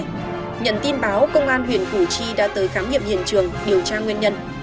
nhận tin báo công an huyện củ chi đã tới khám nghiệm hiện trường điều tra nguyên nhân